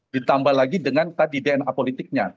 ditambah lagi dengan tadi dna politiknya